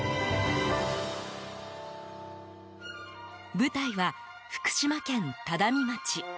舞台は、福島県只見町。